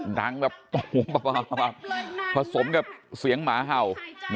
หนังแบบโหประสมกับเสียงหมาเห่า